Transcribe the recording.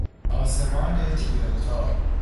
آسمان تیره و تار